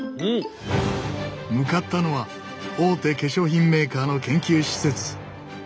向かったのは大手化粧品メーカーの研究施設。